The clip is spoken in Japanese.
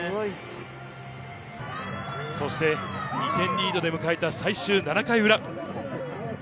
そして、２点リードで迎えた最終７回裏。